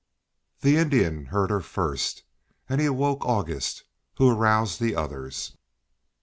The Indian heard her first, and he awoke August, who aroused the others.